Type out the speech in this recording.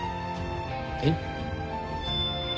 「えっ？」